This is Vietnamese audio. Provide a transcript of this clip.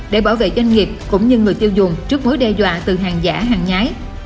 để bảo vệ doanh nghiệp cũng như người tiêu dùng trước mối đe dọa từ hàng giả hàng nhái